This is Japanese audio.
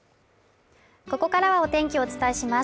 ここからはお天気をお伝えします。